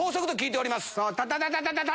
そうタタタタタ！